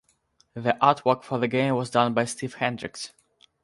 The artwork for the game was done by Steve Hendricks.